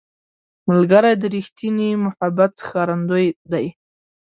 ملګری د ریښتیني محبت ښکارندوی دی